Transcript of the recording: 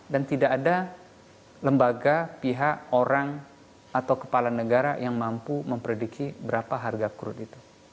dan tidak ada lembaga pihak orang atau kepala negara yang mampu memprediki berapa harga crude itu